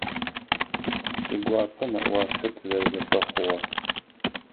Сигуапэ нэӏуасэ тызэрэзэфэхъугъэр.